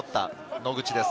野口です。